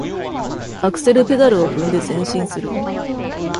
アクセルペダルを踏んで前進する。